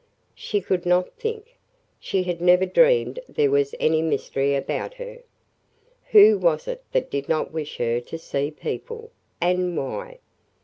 She could not think. She had never dreamed there was any mystery about her. Who was it that did not wish her to see people? And why?